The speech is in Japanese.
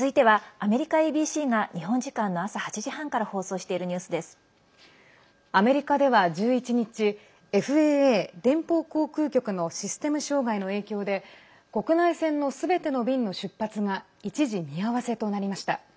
アメリカでは１１日ＦＡＡ＝連邦航空局のシステム障害の影響で国内線のすべての便の出発が一時見合わせとなりました。